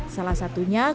salah satunya kuah priu